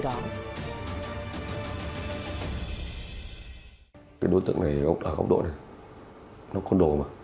đối tượng này ở góc độ này nó côn đồ mà